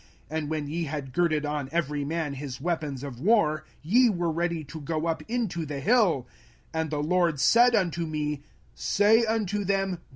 And when ye had girded on every man his weapons of war, ye were ready to go up into the hill. 05:001:042 And the LORD said unto me, Say unto them.